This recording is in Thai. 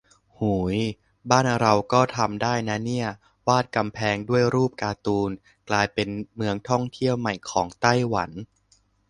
หูย บ้านเราก็ทำได้นะเนี่ย วาดกำแพงด้วยรูปการ์ตูน กลายเป็นเมืองท่องเที่ยวใหม่ของไต้หวัน